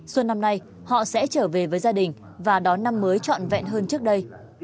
xuân năm nay họ sẽ trở về với gia đình và đón năm mới trọn vẹn hơn trước đây